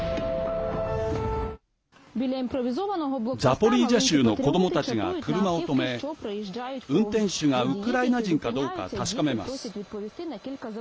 ザポリージャ州の子どもたちが車を止め運転手がウクライナ人かどうか確かめます。